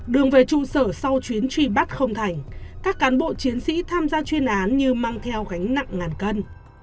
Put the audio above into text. đường về trụ sở sau chuyến truy bắt không thành các cán bộ chiến sĩ tham gia chuyên án như mang theo gánh nặng ngàn cân